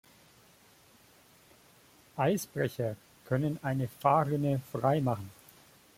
Eisbrecher können eine Fahrrinne freimachen.